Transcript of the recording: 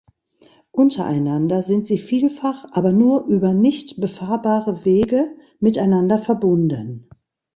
Untereinander sind sie vielfach aber nur über nicht befahrbare Wege miteinander verbunden.